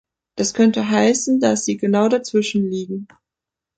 Das könnte heißen, dass sie genau dazwischenliegen.